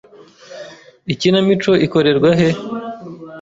Ikinamico ikorerwa he?